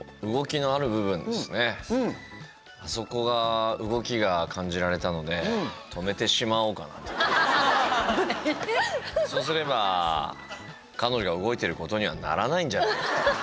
あそこが動きが感じられたのでそうすれば彼女が動いてることにはならないんじゃないかと。